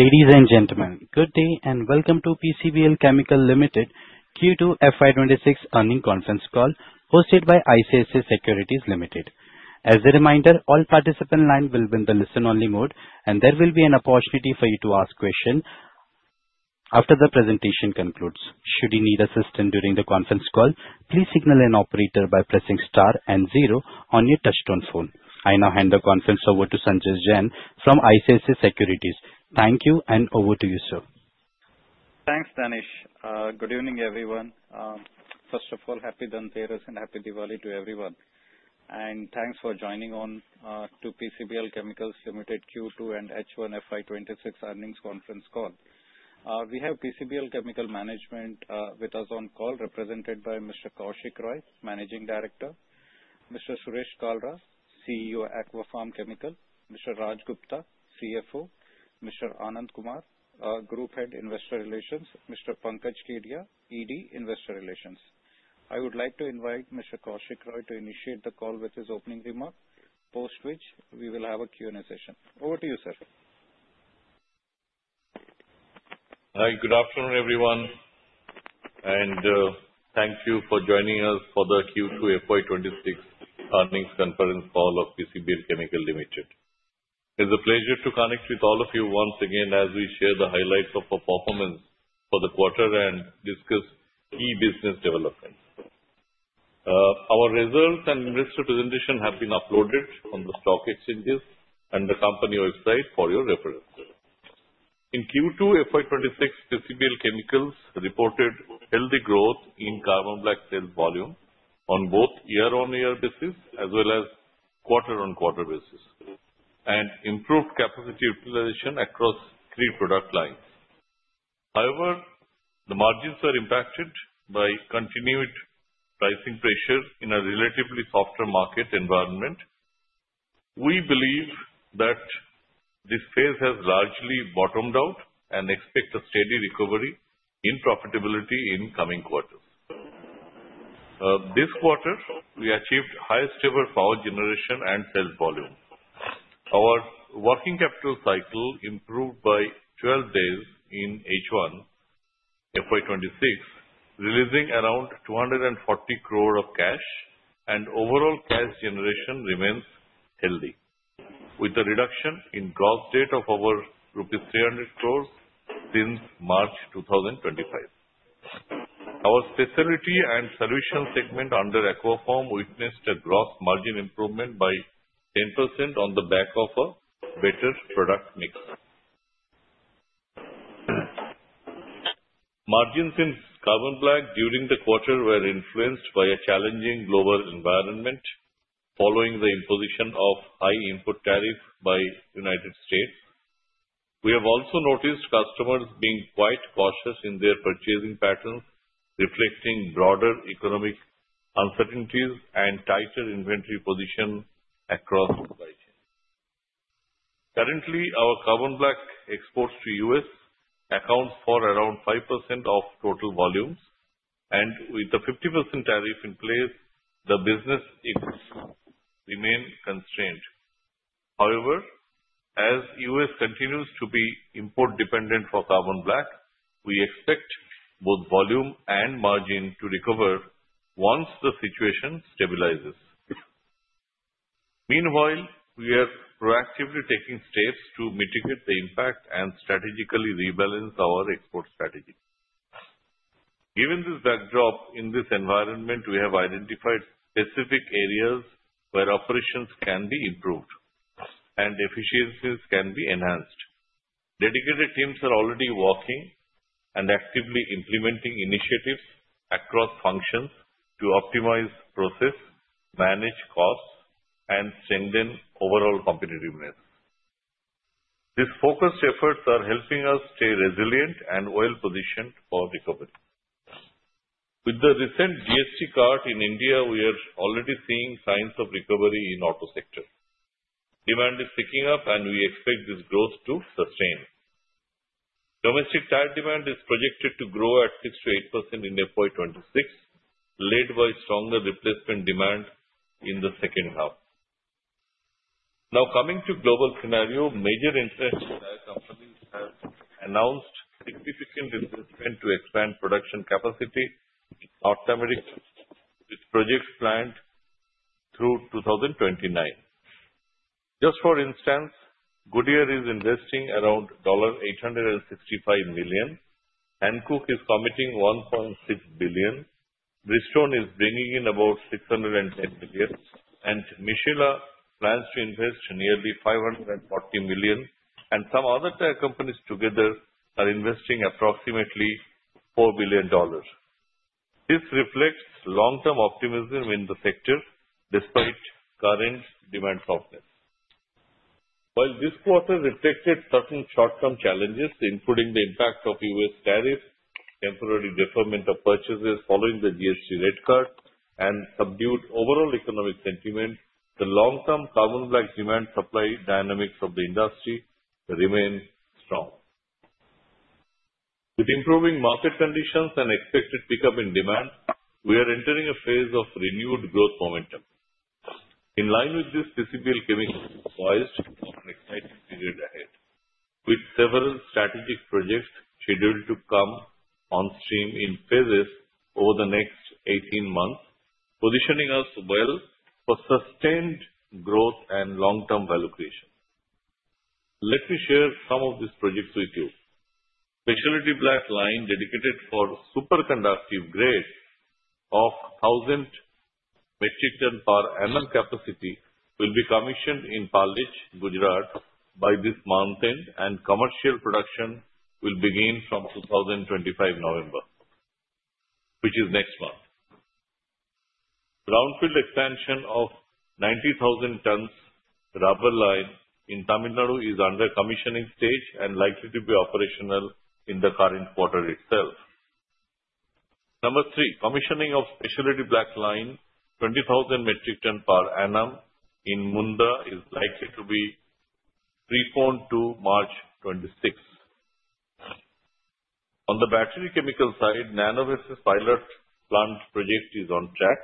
Ladies and gentlemen, good day and welcome to PCBL Limited Q2 FY2026 Earnings Conference Call, hosted by ICICI Securities Limited. As a reminder, all participant lines will be in the listen-only mode, and there will be an opportunity for you to ask questions after the presentation concludes. Should you need assistance during the conference call, please signal an operator by pressing star and zero on your touch-tone phone. I now hand the conference over to Sanjesh Jain from ICICI Securities. Thank you, and over to you, sir. Thanks, Danish. Good evening, everyone. First of all, happy Dhanteras and happy Diwali to everyone. And thanks for joining on to PCBL Limited Q2 and H1 FY2026 Earnings Conference Call. We have PCBL chemical management with us on call, represented by Mr. Kaushik Roy, Managing Director, Mr. Suresh Kalra, CEO, Aquapharm Chemicals, Mr. Raj Gupta, CFO, Mr. Anand Kumar, Group Head, Investor Relations, Mr. Pankaj Khedia, ED, Investor Relations. I would like to invite Mr. Kaushik Roy to initiate the call with his opening remark, post which we will have a Q&A session. Over to you, sir. Good afternoon, everyone, and thank you for joining us for the Q2 FY2026 Earnings Conference Call of PCBL Limited. It's a pleasure to connect with all of you once again as we share the highlights of our performance for the quarter and discuss key business developments. Our results and presentation have been uploaded on the stock exchanges and the company website for your reference. In Q2 FY2026, PCBL Limited reported healthy growth in Carbon Black sales volume on both year-on-year basis as well as quarter-on-quarter basis, and improved capacity utilization across three product lines. However, the margins were impacted by continued pricing pressure in a relatively softer market environment. We believe that this phase has largely bottomed out and expect a steady recovery in profitability in coming quarters. This quarter, we achieved high stable power generation and sales volume. Our Working Capital Cycle improved by 12 days in H1 FY2026, releasing around 240 crore of cash, and overall cash generation remains healthy, with a reduction in gross debt of over rupees 300 crore since March 2025. Our Facility and Solution segment under Aquapharm witnessed a gross margin improvement by 10% on the back of a better product mix. Margins in Carbon Black during the quarter were influenced by a challenging global environment following the imposition of high import tariffs by the United States. We have also noticed customers being quite cautious in their purchasing patterns, reflecting broader economic uncertainties and tighter inventory position across supply chain. Currently, our Carbon Black exports to the US account for around 5% of total volumes, and with the 50% tariff in place, the business remains constrained. However, as the US continues to be import-dependent for Carbon Black, we expect both volume and margin to recover once the situation stabilizes. Meanwhile, we are proactively taking steps to mitigate the impact and strategically rebalance our export strategy. Given this backdrop, in this environment, we have identified specific areas where operations can be improved and efficiencies can be enhanced. Dedicated teams are already working and actively implementing initiatives across functions to optimize process, manage costs, and strengthen overall competitiveness. These focused efforts are helping us stay resilient and well-positioned for recovery. With the recent GST cut in India, we are already seeing signs of recovery in the auto sector. Demand is picking up, and we expect this growth to sustain. Domestic tire demand is projected to grow at 6% to 8% in FY2026, led by stronger replacement demand in the second half. Now, coming to the global scenario, major enterprise companies have announced significant investment to expand production capacity in North America, with projects planned through 2029. Just for instance, Goodyear is investing around $865 million, Hankook is committing $1.6 billion, Bridgestone is bringing in about $610 million, and Michelin plans to invest nearly $540 million, and some other tire companies together are investing approximately $4 billion. This reflects long-term optimism in the sector despite current demand softness. While this quarter reflected certain short-term challenges, including the impact of US tariffs, temporary deferment of purchases following the GST rate cut, and subdued overall economic sentiment, the long-term Carbon Black demand-supply dynamics of the industry remain strong. With improving market conditions and expected pickup in demand, we are entering a phase of renewed growth momentum. In line with this, PCBL Chemical is poised for an exciting period ahead, with several strategic projects scheduled to come on stream in phases over the next 18 months, positioning us well for sustained growth and long-term value creation. Let me share some of these projects with you. Specialty Black Line, dedicated for superconductive grade of 1,000 metric tons per annum capacity, will be commissioned in Palej, Gujarat, by this month, and commercial production will begin from 2025 November, which is next month. Brownfield expansion of 90,000 tons rubber line in Tamil Nadu is under commissioning stage and likely to be operational in the current quarter itself. Number three, commissioning of Specialty Black Line, 20,000 metric tons per annum in Mundra, is likely to be pushed to March 2026. On the battery chemical side, Nanovace's pilot plant project is on track.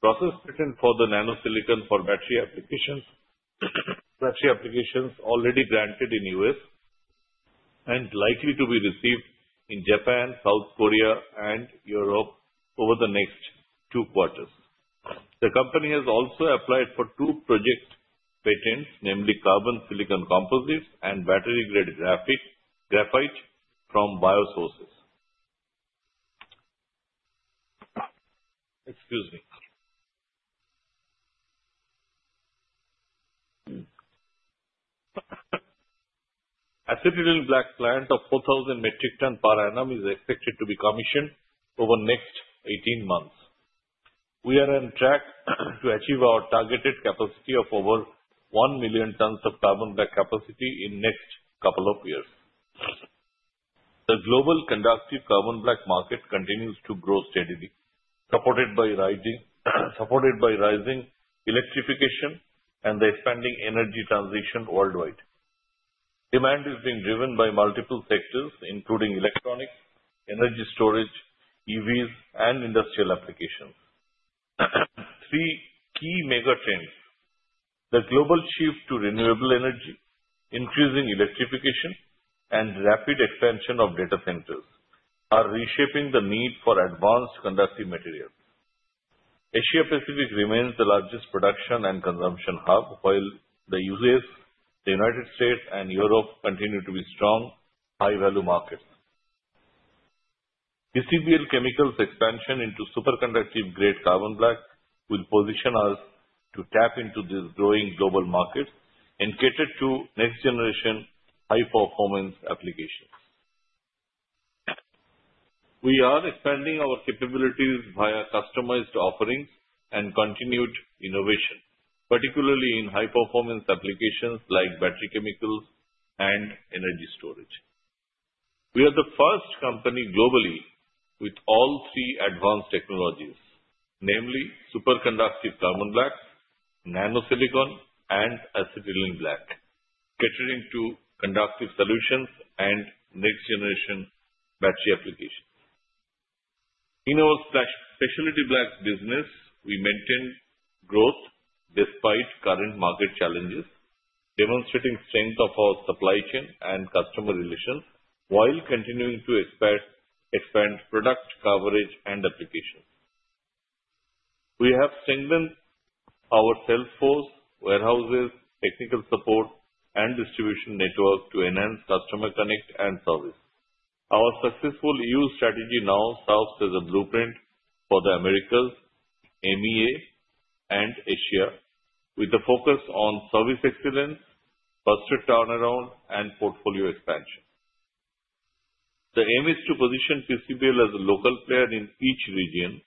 Process patent for the nano-silicon for battery applications is already granted in the US and likely to be received in Japan, South Korea, and Europe over the next two quarters. The company has also applied for two process patents, namely carbon-silicon composites and battery-grade graphite from biosources. Excuse me. Acetylene Black Plant of 4,000 metric tons per annum is expected to be commissioned over the next 18 months. We are on track to achieve our targeted capacity of over 1 million tons of Carbon Black capacity in the next couple of years. The global conductive Carbon Black market continues to grow steadily, supported by rising electrification and the expanding energy transition worldwide. Demand is being driven by multiple sectors, including electronics, energy storage, EVs, and industrial applications. Three key mega trends, the global shift to renewable energy, increasing electrification, and rapid expansion of data centers are reshaping the need for advanced conductive materials. Asia-Pacific remains the largest production and consumption hub, while the US, the United States, and Europe continue to be strong, high-value markets. PCBL Chemical's expansion into superconductive grade Carbon Black will position us to tap into these growing global markets and cater to next-generation high-performance applications. We are expanding our capabilities via customized offerings and continued innovation, particularly in high-performance applications like battery chemicals and energy storage. We are the first company globally with all three advanced technologies, namely Superconductive Carbon Black, Nano-silicon, and Acetylene Black, catering to conductive solutions and next-generation battery applications. In our Specialty Black business, we maintain growth despite current market challenges, demonstrating strength of our supply chain and customer relations, while continuing to expand product coverage and applications. We have strengthened our sales force, warehouses, technical support, and distribution network to enhance customer connect and service. Our successful EU strategy now serves as a blueprint for the Americas, EMEA, and Asia, with a focus on service excellence, faster turnaround, and portfolio expansion. The aim is to position PCBL as a local player in each region,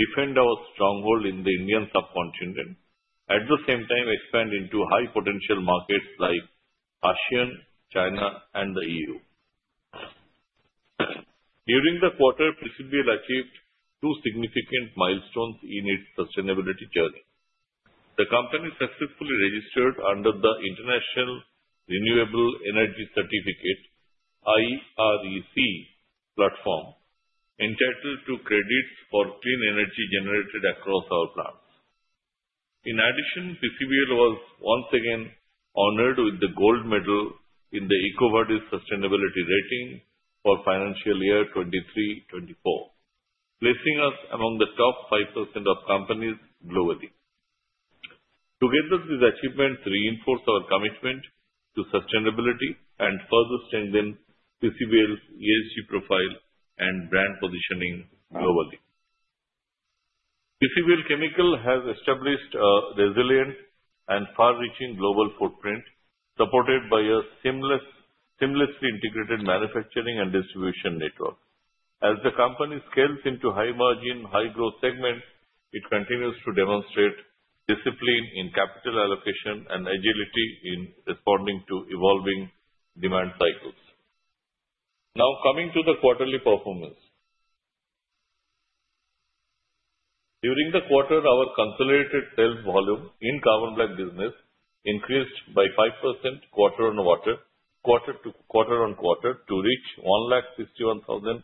defend our stronghold in the Indian subcontinent, and at the same time, expand into high-potential markets like ASEAN, China, and the EU. During the quarter, PCBL achieved two significant milestones in its sustainability journey. The company successfully registered under the International Renewable Energy Certificate (I-REC) platform, entitled to credits for clean energy generated across our plants. In addition, PCBL was once again honored with the gold medal in the EcoVadis Sustainability Rating for financial year 2023-2024, placing us among the top 5% of companies globally. Together, these achievements reinforce our commitment to sustainability and further strengthen PCBL's ESG profile and brand positioning globally. PCBL Chemical has established a resilient and far-reaching global footprint, supported by a seamlessly integrated manufacturing and distribution network. As the company scales into high-margin, high-growth segments, it continues to demonstrate discipline in capital allocation and agility in responding to evolving demand cycles. Now, coming to the quarterly performance. During the quarter, our consolidated sales volume in Carbon Black business increased by 5% quarter-on-quarter to reach 161,728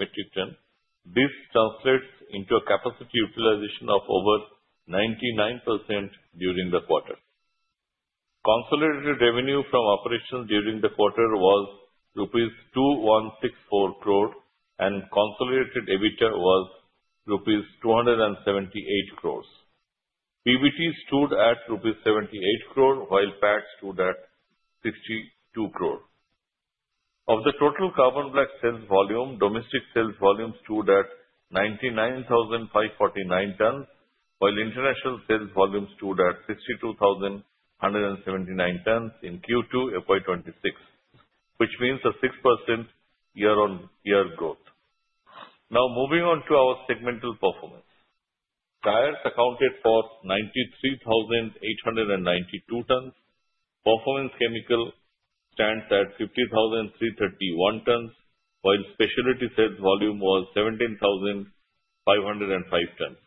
metric tons. This translates into a capacity utilization of over 99% during the quarter. Consolidated revenue from operations during the quarter was rupees 2,164 crore, and consolidated EBITDA was rupees 278 crore. PBT stood at rupees 78 crore, while PAT stood at 62 crore. Of the total Carbon Black sales volume, domestic sales volume stood at 99,549 tons, while international sales volume stood at 62,179 tons in Q2 FY2026, which means a 6% year-on-year growth. Now, moving on to our segmental performance. Tires accounted for 93,892 tons. Performance Chemical stands at 50,331 tons, while specialty sales volume was 17,505 tons.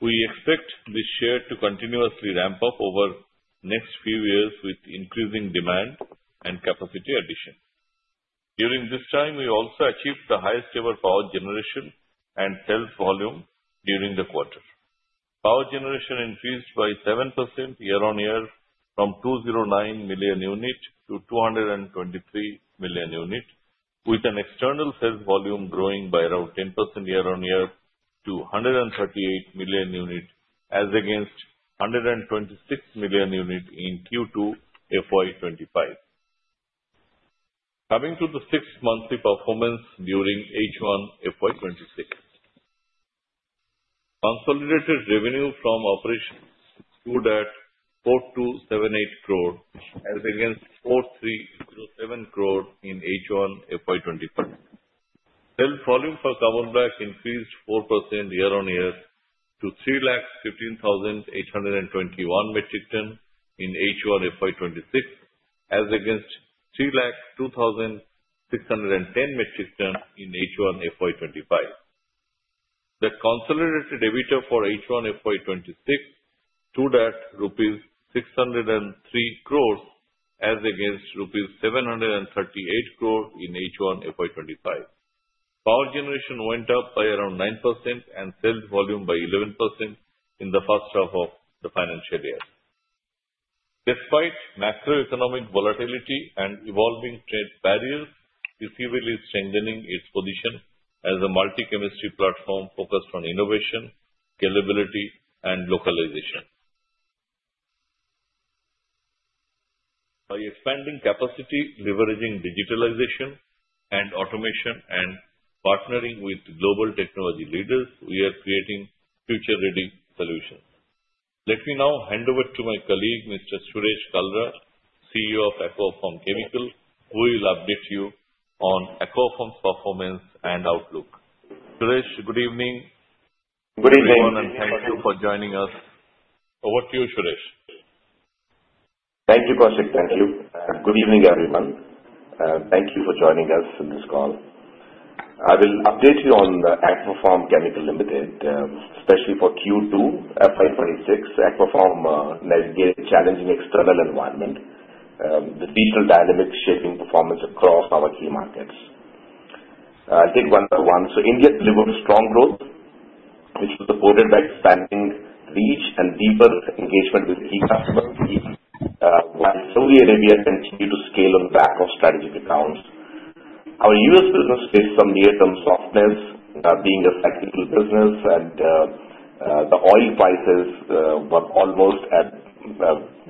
We expect this share to continuously ramp up over the next few years with increasing demand and capacity addition. During this time, we also achieved the highest-ever power generation and sales volume during the quarter. Power generation increased by 7% year-on-year from 209 million units to 223 million units, with an external sales volume growing by around 10% year-on-year to 138 million units, as against 126 million units in Q2 FY2025. Coming to the sixth monthly performance during H1 FY2026, consolidated revenue from operations stood at 4,278 crore, as against 4,307 crore in H1 FY2C25. Sales volume for Carbon Black increased 4% year-on-year to 315,821 metric tons in H1 FY2026, as against 302,610 metric tons in H1 FY2025. The consolidated EBITDA for H1 FY2026 stood at rupees 603 crore, as against rupees 738 crore in H1 FY25. Power generation went up by around 9% and sales volume by 11% in the first half of the financial year. Despite macroeconomic volatility and evolving trade barriers, PCBL is strengthening its position as a multi-chemistry platform focused on innovation, scalability, and localization. By expanding capacity, leveraging digitalization and automation, and partnering with global technology leaders, we are creating future-ready solutions. Let me now hand over to my colleague, Mr. Suresh Kalra, CEO of Aquapharm Chemical, who will update you on Aquapharm's performance and outlook. Suresh, good evening. Good evening. Thank you for joining us. Over to you, Suresh. Thank you, Kaushik. Thank you. Good evening, everyone. Thank you for joining us in this call. I will update you on Aquapharm Chemicals Limited, especially for Q2 FY2026. Aquapharm navigated challenging external environment with regional dynamics shaping performance across our key markets. I'll take one by one, so India delivered strong growth, which was supported by expanding reach and deeper engagement with key customers, while Saudi Arabia continued to scale on the back of strategic accounts. Our US business faced some near-term softness, being a fragile business, and the oil prices were almost at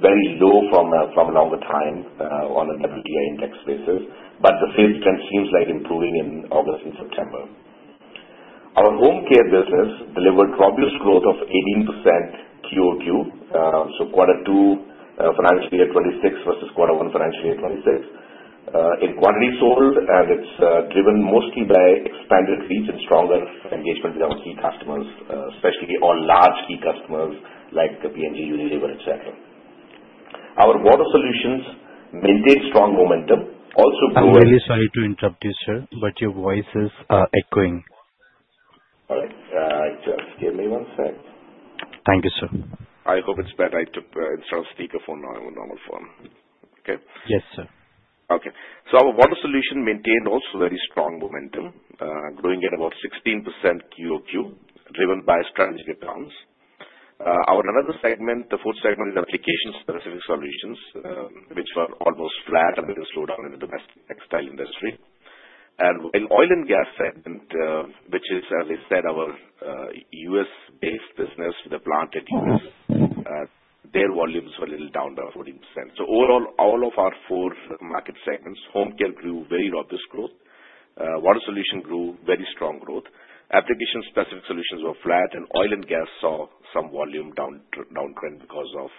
very low for a long time on a WTI index basis, but the sales trend seems like improving in August and September. Our Home Care business delivered robust growth of 18% Q-o-Q, so Q2 financial year 2026 versus Q1 financial year 2026, in quantity sold, and it's driven mostly by expanded reach and stronger engagement with our key customers, especially our large key customers like P&G, Unilever, etc. Our Water Solutions maintained strong momentum, also grew at. I'm really sorry to interrupt you, sir, but your voice is echoing. All right. Just give me one second. Thank you, sir. I hope it's better. I took the installed speakerphone on normal form. Okay. Yes, sir. Okay. So our Water Solution maintained also very strong momentum, growing at about 16% Q-o-Q, driven by strategic accounts. Our another segment, the fourth segment, is application-specific solutions, which were almost flat and slowed down in the domestic textile industry. In the Oil and Gas segment, which is, as I said, our US-based business with a plant in the US, their volumes were a little down by 14%. Overall, all of our four market segments, home care grew very robust growth. Water Solution grew very strong growth. Application-specific solutions were flat, and Oil and Gas saw some volume downtrend because of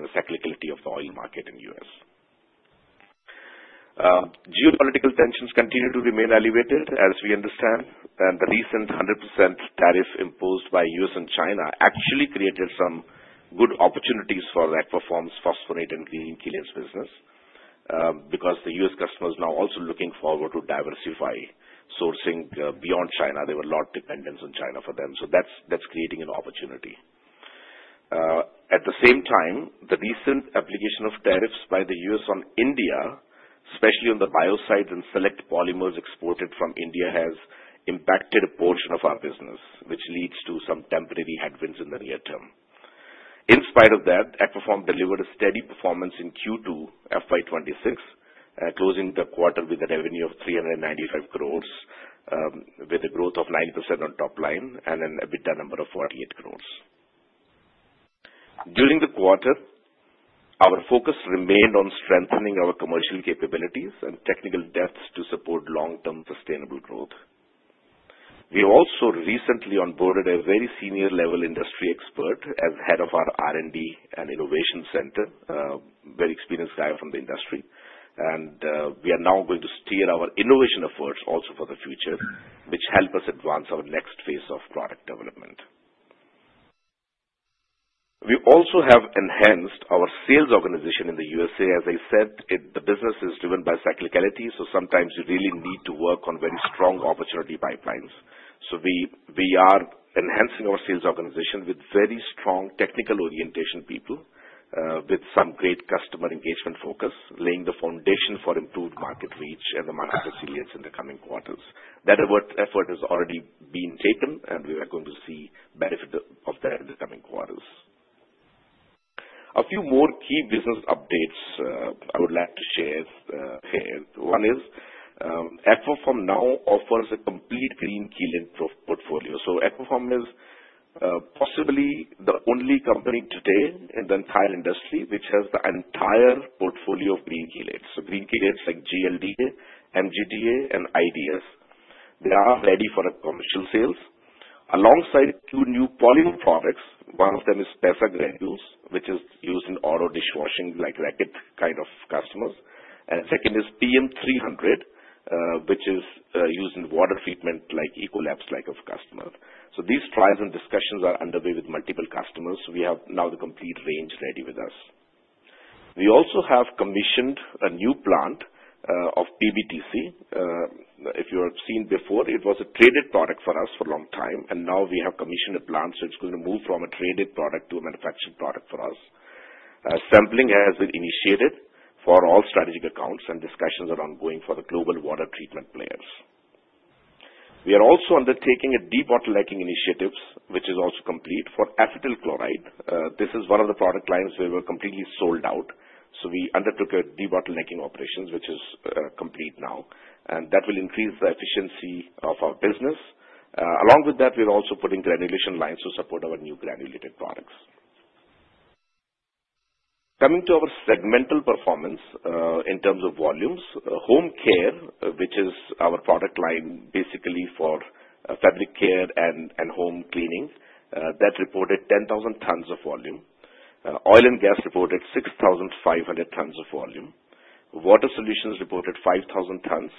the cyclicality of the oil market in the US. Geopolitical tensions continue to remain elevated, as we understand, and the recent 100% tariff imposed by US and China actually created some good opportunities for Aquapharm's phosphonate and green chelates business because the US customers are now also looking forward to diversifying sourcing beyond China. There were a lot of dependence on China for them, so that's creating an opportunity. At the same time, the recent application of tariffs by the US on India, especially on the biocides and select polymers exported from India, has impacted a portion of our business, which leads to some temporary headwinds in the near term. In spite of that, Aquapharm delivered a steady performance in Q2 FY2026, closing the quarter with a revenue of 395 crores, with a growth of 9% on top line and an EBITDA number of 48 crores. During the quarter, our focus remained on strengthening our commercial capabilities and technical depths to support long-term sustainable growth. We also recently onboarded a very senior-level industry expert as head of our R&D and Innovation Center, a very experienced guy from the industry, and we are now going to steer our innovation efforts also for the future, which helps us advance our next phase of product development. We also have enhanced our sales organization in the USA. As I said, the business is driven by cyclicality, so sometimes you really need to work on very strong opportunity pipelines. So we are enhancing our sales organization with very strong technical orientation people, with some great customer engagement focus, laying the foundation for improved market reach and the market resilience in the coming quarters. That effort has already been taken, and we are going to see the benefit of that in the coming quarters. A few more key business updates I would like to share here. One is Aquapharm now offers a complete green chelate portfolio. So Aquapharm is possibly the only company today in the entire industry which has the entire portfolio of green chelate. So green chelate like GLDA, MGDA, and IDS. They are ready for commercial sales. Alongside two new polymer products, one of them is PESA granules, which is used in auto dishwashing like Racket kind of customers, and the second is PM300, which is used in water treatment like Ecolabs like of customers. So these trials and discussions are underway with multiple customers. We have now the complete range ready with us. We also have commissioned a new plant of PBTC. If you have seen before, it was a traded product for us for a long time, and now we have commissioned a plant, so it's going to move from a traded product to a manufactured product for us. Sampling has been initiated for all strategic accounts, and discussions are ongoing for the global water treatment players. We are also undertaking a de-bottlenecking initiative, which is also complete for acetyl chloride. This is one of the product lines where we're completely sold out, so we undertook a de-bottlenecking operation, which is complete now, and that will increase the efficiency of our business. Along with that, we're also putting granulation lines to support our new granulated products. Coming to our segmental performance in terms of volumes, Home Care, which is our product line basically for fabric care and home cleaning, that reported 10,000 tons of volume. Oil and Sas reported 6,500 tons of volume. Water solutions reported 5,000 tons,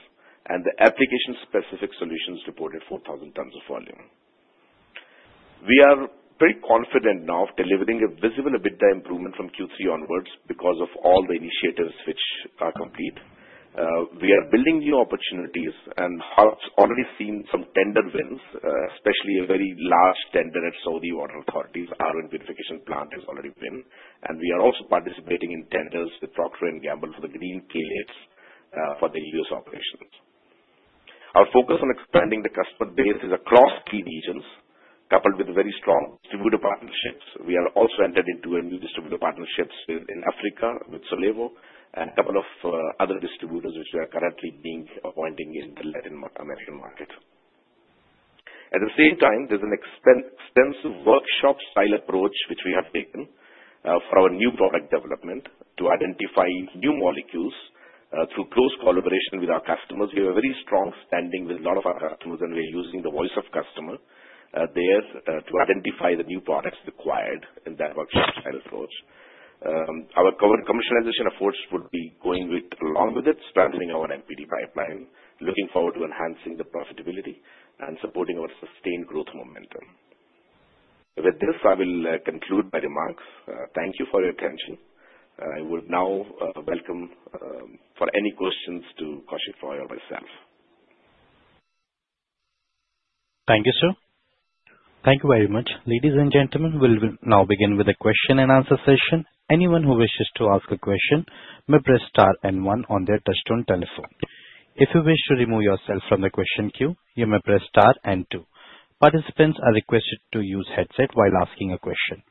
and the application-specific solutions reported 4,000 tons of volume. We are pretty confident now of delivering a visible EBITDA improvement from Q3 onwards because of all the initiatives which are complete. We are building new opportunities, and we've already seen some tender wins, especially a very large tender at Saudi Water Authority's our purification plant has already won, and we are also participating in tenders with Procter & Gamble for the green chelates for the US operations. Our focus on expanding the customer base is across key regions, coupled with very strong distributor partnerships. We have also entered into a new distributor partnership in Africa with Solevo and a couple of other distributors which we are currently being appointing in the Latin American market. At the same time, there's an extensive workshop-style approach which we have taken for our new product development to identify new molecules through close collaboration with our customers. We have a very strong standing with a lot of our customers, and we're using the voice of customer there to identify the new products required in that workshop-style approach. Our commercialization efforts will be going along with it, strengthening our NPD pipeline, looking forward to enhancing the profitability and supporting our sustained growth momentum. With this, I will conclude my remarks. Thank you for your attention. I would now welcome for any questions to Kaushik Roy or myself. Thank you, sir. Thank you very much. Ladies and gentlemen, we'll now begin with a Q&A session. Anyone who wishes to ask a question may press star and one on their touch-tone telephone. If you wish to remove yourself from the question queue, you may press star and two. Participants are requested to use headsets while asking a question.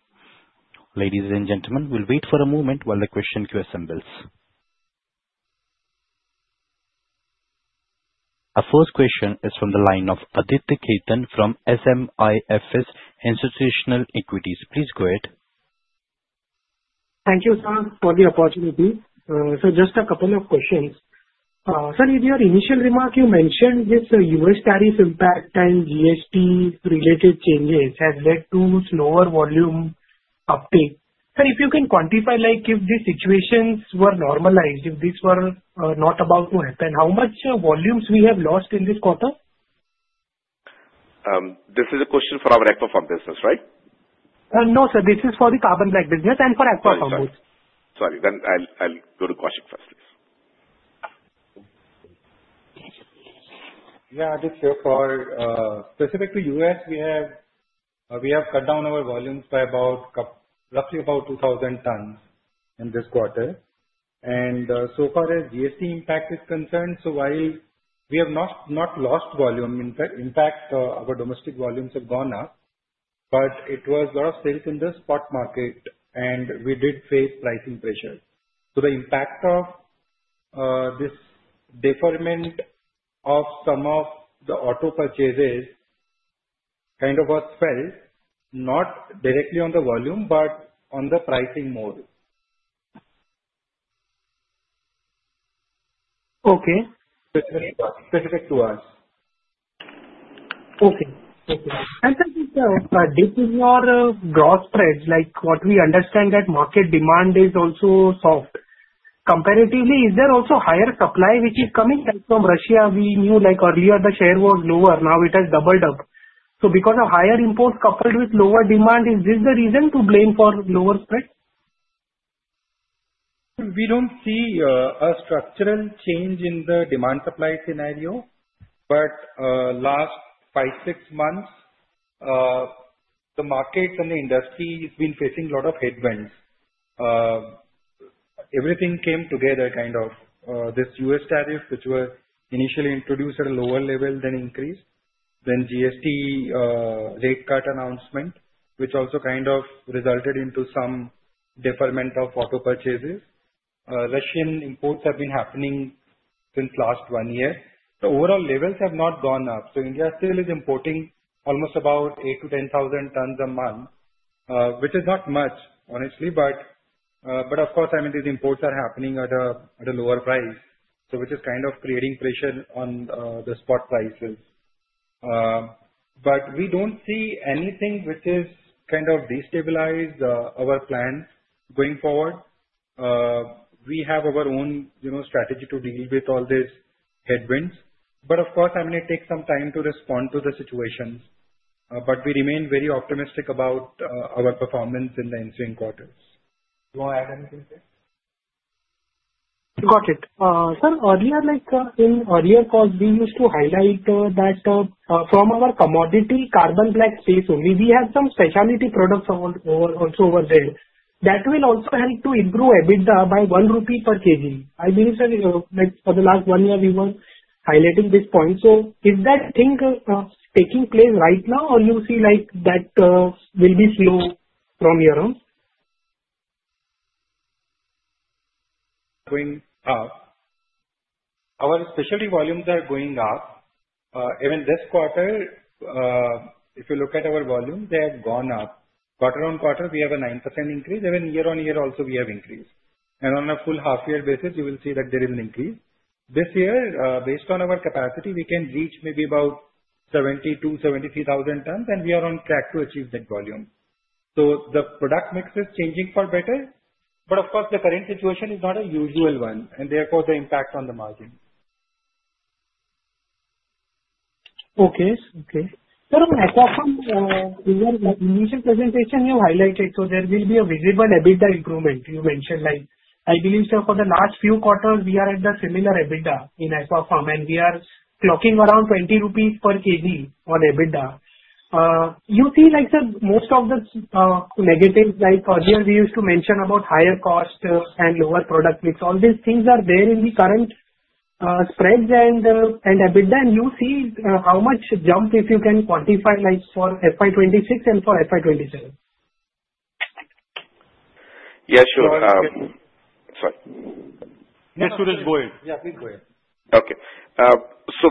Ladies and gentlemen, we'll wait for a moment while the question queue assembles. Our first question is from the line of Aditya Khetan from SMIFS Institutional Equities. Please go ahead. Thank you, sir, for the opportunity. So just a couple of questions. Sir, in your initial remark, you mentioned this US tariff impact and GST-related changes has led to slower volume uptake. Sir, if you can quantify, if these situations were normalized, if these were not about to happen, how much volumes we have lost in this quarter? This is a question for our Aquapharm business, right? No, sir. This is for the Carbon Black business and for Aquapharm. Sorry. Then I'll go to Kaushik first, please. Yeah, Aditya, specific to US, we have cut down our volumes by roughly about 2,000 tons in this quarter. And so far, as GST impact is concerned, so while we have not lost volume, in fact, our domestic volumes have gone up, but it was a lot of sales in the spot market, and we did face pricing pressure. So the impact of this deferment of some of the auto purchases kind of was felt, not directly on the volume, but on the pricing more. Okay. Specific to us. Okay. And sir, this is your growth spread. What we understand is that market demand is also soft. Comparatively, is there also higher supply which is coming from Russia? We knew earlier the share was lower. Now it has doubled up. So because of higher imports coupled with lower demand, is this the reason to blame for lower spread? We don't see a structural change in the demand-supply scenario, but last five, six months, the market and the industry have been facing a lot of headwinds. Everything came together kind of. This US tariff, which was initially introduced at a lower level, then increased, then GST rate cut announcement, which also kind of resulted in some deferment of auto purchases. Russian imports have been happening since last one year. The overall levels have not gone up. So India still is importing almost about 8,000 to 10,000 tons a month, which is not much, honestly, but of course, I mean, these imports are happening at a lower price, which is kind of creating pressure on the spot prices. But we don't see anything which is kind of destabilize our plans going forward. We have our own strategy to deal with all these headwinds, but of course, I mean, it takes some time to respond to the situation, but we remain very optimistic about our performance in the ensuing quarters. Do you want to add anything to it? Got it. Sir, earlier in earlier calls, we used to highlight that from our commodity Carbon Black Space, we have some specialty products also over there that will also help to improve EBITDA by 1 rupee per kg. I believe for the last one year, we were highlighting this point. So is that thing taking place right now, or do you feel like that will be slow from year on? Our specialty volumes are going up. Even this quarter, if you look at our volumes, they have gone up. Quarter-on-quarter, we have a 9% increase. Even year-on-year also, we have increased. On a full half-year basis, you will see that there is an increase. This year, based on our capacity, we can reach maybe about 72,000 to 73,000 tons, and we are on track to achieve that volume. So the product mix is changing for better, but of course, the current situation is not a usual one, and therefore, the impact on the margin. Okay. Okay. Sir, on Aquapharm, in your initial presentation, you highlighted there will be a visible EBITDA improvement. You mentioned, I believe, sir, for the last few quarters, we are at the similar EBITDA in Aquapharm, and we are clocking around 20 rupees per kg on EBITDA. You see most of the negatives earlier, we used to mention about higher cost and lower product mix. All these things are there in the current spreads and EBITDA, and you see how much jump if you can quantify for FY2026 and for FY2027. Yes, sure. Sorry. Yes, sir, just go ahead. Yeah, please go ahead. Okay. So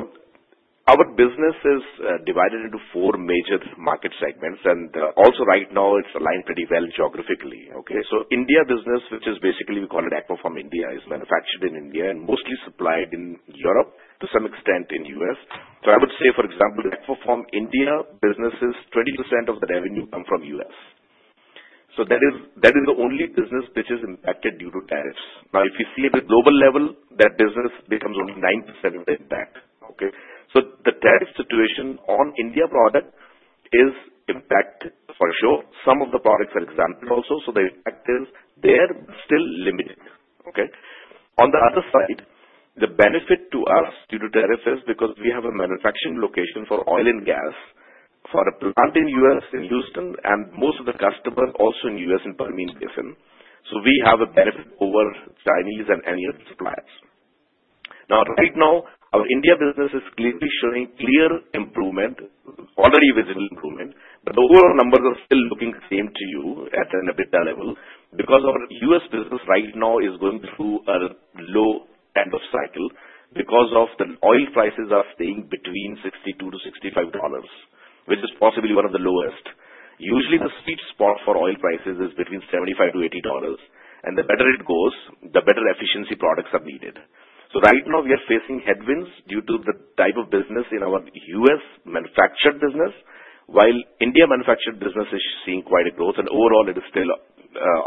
our business is divided into four major market segments, and also right now, it's aligned pretty well geographically. Okay. So India business, which is basically we call it Aquapharm India, is manufactured in India and mostly supplied in Europe to some extent in the US. So I would say, for example, Aquapharm India businesses, 20% of the revenue comes from US. So that is the only business which is impacted due to tariffs. Now, if you see at the global level, that business becomes only 9% of the impact. Okay. So the tariff situation on India product is impact for sure. Some of the products are exempt also, so the impact is there but still limited. Okay. On the other side, the benefit to us due to tariff is because we have a manufacturing location for oil and gas for a plant in US in Houston, and most of the customers also in US in Permian Basin. So we have a benefit over Chinese and any other suppliers. Now, right now, our India business is clearly showing clear improvement, already visible improvement, but the overall numbers are still looking the same to you at an EBITDA level because our US business right now is going through a low end of cycle because of the oil prices are staying between $62 to 65, which is possibly one of the lowest. Usually, the sweet spot for oil prices is between $75 to 80, and the better it goes, the better efficiency products are needed. So right now, we are facing headwinds due to the type of business in our US manufactured business, while India manufactured business is seeing quite a growth, and overall, it is still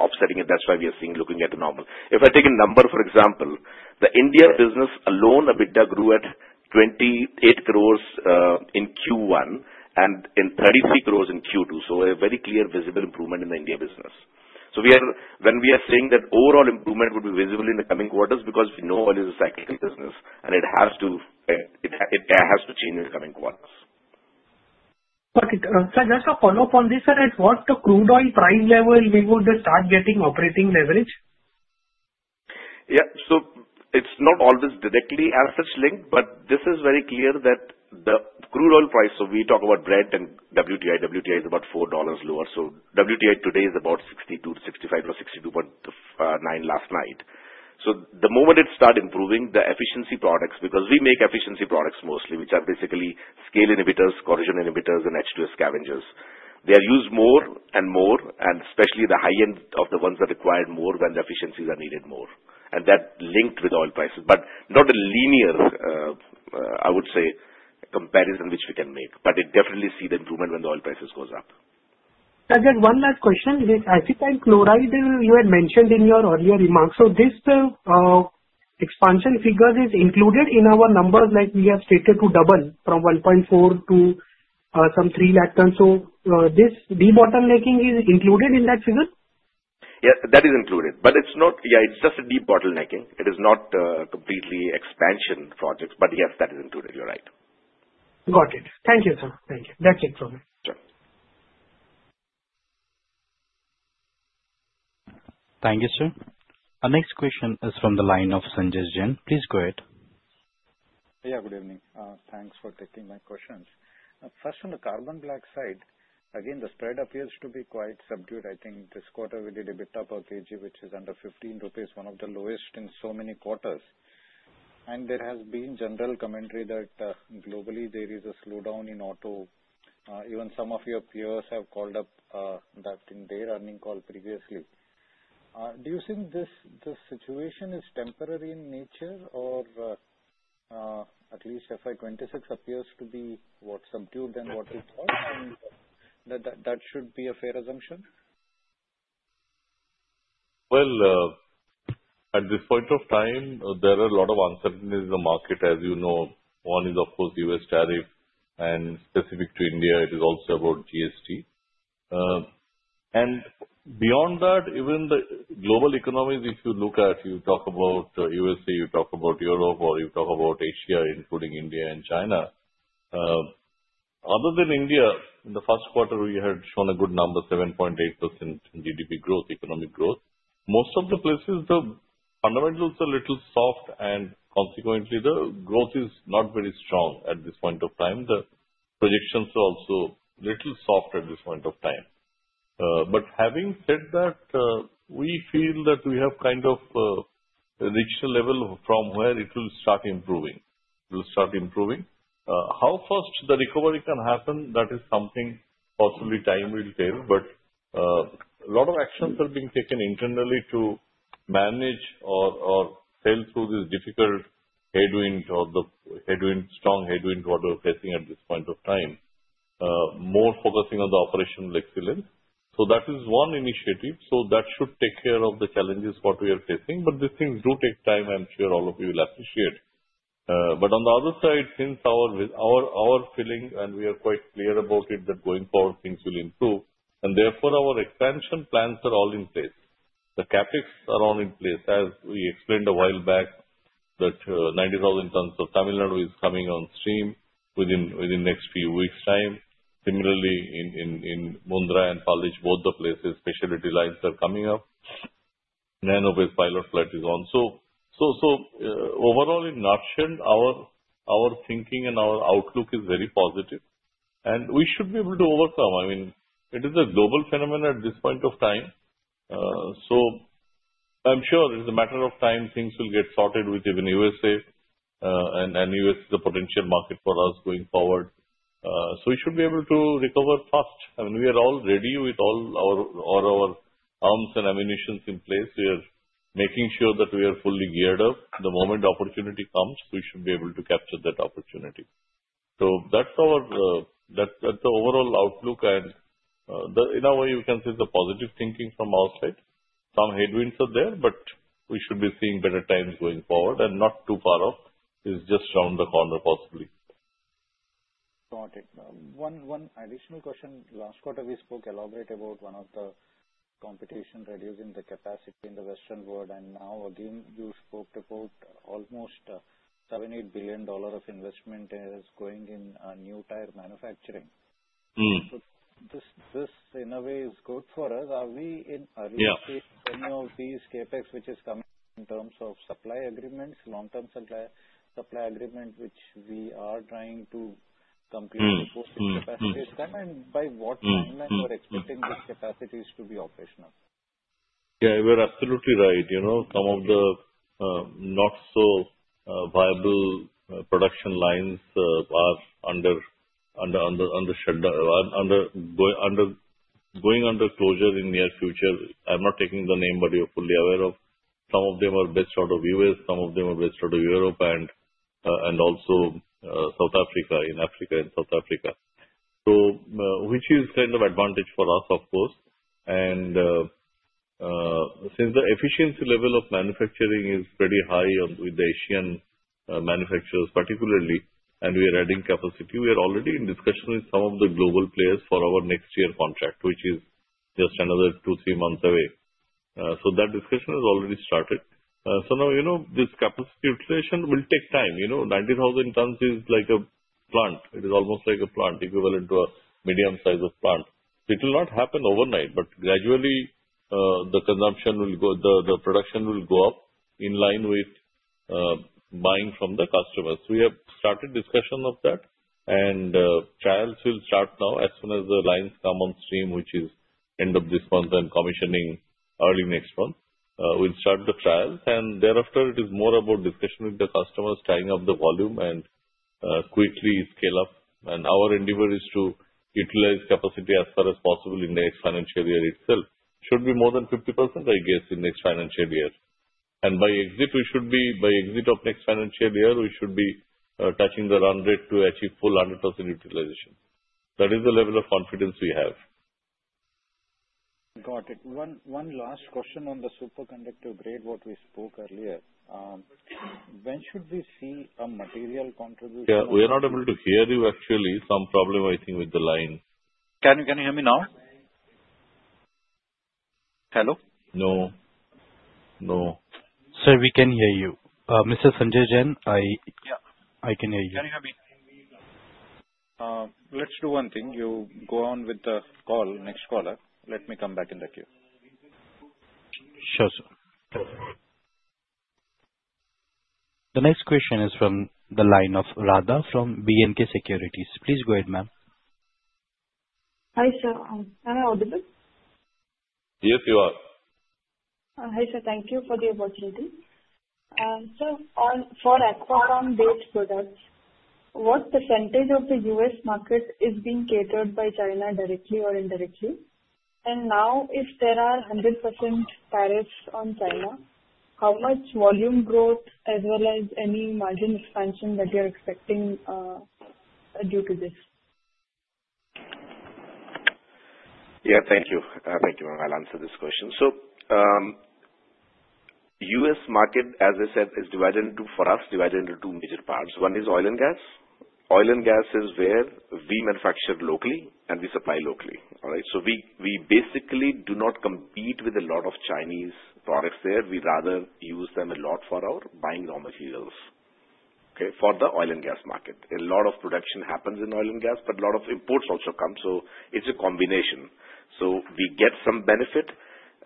offsetting, and that's why we are looking at the normal. If I take a number, for example, the India business alone, EBITDA grew at 28 crores in Q1 and 33 crores in Q2, so a very clear visible improvement in the India business. So when we are saying that overall improvement would be visible in the coming quarters because we know oil is a cyclical business, and it has to change in the coming quarters. Okay. Sir, just a follow-up on this. At what crude oil price level will the start getting operating leverage? Yeah. So it's not always directly as such linked, but this is very clear that the crude oil price, so we talk about Brent and WTI. WTI is about $4 lower. So WTI today is about $62 to 65 or $62.9 last night. So the moment it started improving, the efficiency products, because we make efficiency products mostly, which are basically scale inhibitors, corrosion inhibitors, and H2S scavengers, they are used more and more, and especially the high-end of the ones that required more when the efficiencies are needed more, and that linked with oil prices, but not a linear, I would say, comparison which we can make, but we definitely see the improvement when the oil prices go up. Sir, just one last question. I think I'm close. You had mentioned in your earlier remarks, so this expansion figure is included in our numbers like we have stated to double from 1.4 to some 3 lakh tons. So this de-bottlenecking is included in that figure? Yes, that is included, but it's not, yeah, it's just a de-bottlenecking. It is not completely expansion projects, but yes, that is included. You're right. Got it. Thank you, sir. Thank you. That's it from me. Sure. Thank you, sir. Our next question is from the line of Sanjesh Jain. Please go ahead. Yeah, good evening. Thanks for taking my questions. First, on the Carbon Black side, again, the spread appears to be quite subdued. I think this quarter, we did EBITDA per kg, which is under 15 rupees, one of the lowest in so many quarters. And there has been general commentary that globally, there is a slowdown in auto. Even some of your peers have called up that in their earnings call previously. Do you think this situation is temporary in nature, or at least FY2026 appears to be somewhat subdued and what we report, and that should be a fair assumption? Well, at this point of time, there are a lot of uncertainties in the market, as you know. One is, of course, US tariff, and specific to India, it is also about GST. And beyond that, even the global economies, if you look at, you talk about USA, you talk about Europe, or you talk about Asia, including India and China. Other than India, in the Q1, we had shown a good number, 7.8% GDP growth, economic growth. Most of the places, the fundamentals are a little soft, and consequently, the growth is not very strong at this point of time. The projections are also a little soft at this point of time. But having said that, we feel that we have kind of a reached level from where it will start improving. It will start improving. How fast the recovery can happen, that is something possibly time will tell, but a lot of actions are being taken internally to manage or sail through this difficult headwind or the strong headwind we are facing at this point of time, more focusing on the operational excellence. So that is one initiative. So that should take care of the challenges what we are facing, but these things do take time. I'm sure all of you will appreciate. But on the other side, since our feeling, and we are quite clear about it, that going forward, things will improve, and therefore, our expansion plans are all in place. The CapEx are on in place. As we explained a while back, that 90,000 tons of Tamil Nadu is coming on stream within the next few weeks' time. Similarly, in Mundra and Palej, both the places, specialty lines are coming up. Nanocave pilot plant is also, so overall, in a nutshell, our thinking and our outlook is very positive, and we should be able to overcome. I mean, it is a global phenomenon at this point of time, so I'm sure it's a matter of time things will get sorted within USA, and US is a potential market for us going forward, so we should be able to recover fast. I mean, we are all ready with all our arms and ammunitions in place. We are making sure that we are fully geared up. The moment opportunity comes, we should be able to capture that opportunity. So that's the overall outlook, and in a way, you can say it's a positive thinking from our side. Some headwinds are there, but we should be seeing better times going forward, and not too far off. It's just around the corner, possibly. Got it. One additional question. Last quarter, we spoke elaborately about one of the competition reducing the capacity in the Western world, and now again, you spoke to quote almost $78 billion of investment is going in new tire manufacturing. So this, in a way, is good for us. Are we in early stage of any of these CapEx which is coming in terms of supply agreements, long-term supply agreement, which we are trying to complete capacity? And by what timeline you are expecting these capacities to be operational? Yeah, you are absolutely right. Some of the not-so-viable production lines are under shutdown, going under closure in the near future. I'm not taking the name, but you're fully aware of. Some of them are based out of the U.S. Some of them are based out of Europe and also South Africa, in Africa and South Africa, which is kind of advantage for us, of course, and since the efficiency level of manufacturing is pretty high with the Asian manufacturers, particularly, and we are adding capacity, we are already in discussion with some of the global players for our next year contract, which is just another two, three months away, so that discussion has already started, so now this capacity utilization will take time. 90,000 tons is like a plant. It is almost like a plant, equivalent to a medium-sized plant. It will not happen overnight, but gradually, the production will go up in line with buying from the customers. We have started discussion of that, and trials will start now as soon as the lines come on stream, which is end of this month and commissioning early next month. We'll start the trials, and thereafter, it is more about discussion with the customers, tying up the volume and quickly scale up. And our endeavor is to utilize capacity as far as possible in the next financial year itself. It should be more than 50%, I guess, in the next financial year. And by exit of next financial year, we should be touching the run rate to achieve full 100% utilization. That is the level of confidence we have. Got it. One last question on the superconductor grade, what we spoke earlier. When should we see a material contribution? Yeah, we are not able to hear you, actually. Some problem, I think, with the line. Can you hear me now? Hello? No. No. Sir, we can hear you. Mr. Sanjesh Jain, I can hear you. Can you hear me? Let's do one thing. You go on with the call, next caller. Let me come back in the queue. Sure, sir. The next question is from the line of Radha from B&K Securities. Please go ahead, ma'am. Hi, sir. Can I audible? Yes, you are. Hi, sir. Thank you for the opportunity. Sir, for Aquapharm-based products, what percentage of the US market is being catered by China directly or indirectly? And now, if there are 100% tariffs on China, how much volume growth, as well as any margin expansion that you're expecting due to this? Yeah, thank you. Thank you, ma'am. I'll answer this question. So US market, as I said, is divided for us, divided into two major parts. One is Oil and Gas. Oil and Gas is where we manufacture locally and we supply locally. All right? So we basically do not compete with a lot of Chinese products there. We rather use them a lot for our buying raw materials, okay, for the Oil and Gas market. A lot of production happens in Oil and Gas, but a lot of imports also come. So it's a combination. So we get some benefit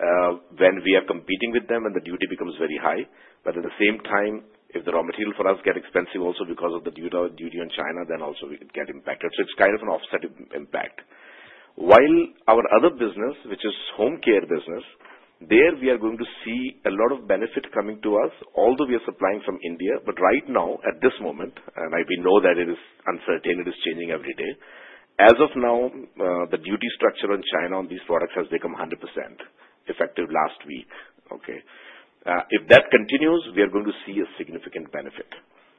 when we are competing with them, and the duty becomes very high. But at the same time, if the raw material for us gets expensive also because of the duty on China, then also we get impacted. So it's kind of an offset impact. While our other business, which is Home Care business, there we are going to see a lot of benefit coming to us, although we are supplying from India, but right now, at this moment, and we know that it is uncertain, it is changing every day. As of now, the duty structure on China on these products has become 100% effective last week. Okay? If that continues, we are going to see a significant benefit.